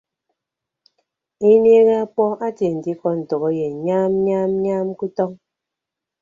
Inieehe ọkpọ etie nte ikọ ntәkeyịn nyaam nyaam nyaam ke utọñ.